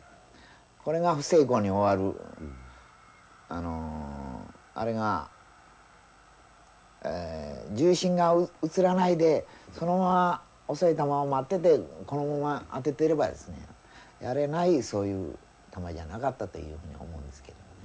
これが不成功に終わるあのあれが重心が移らないでそのまま遅い球を待っててこのまま当ててればですねやれない球じゃなかったというふうに思うんですけどもね。